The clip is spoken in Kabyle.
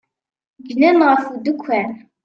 Gnen ɣef udekkan.